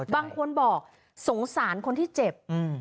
บางคนบอกสงสารคนที่เจ็บ